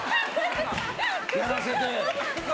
やらせて。